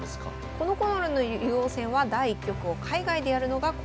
このころの竜王戦は第１局を海外でやるのが恒例でした。